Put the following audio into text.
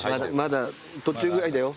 まだ途中ぐらいだよ。